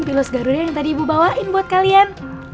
pilos garuda yang tadi ibu bawain buat kalian